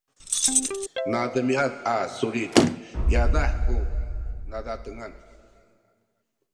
nademiad a sulit yadah ku nazatengan